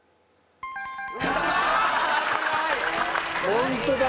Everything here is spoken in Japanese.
本当だ！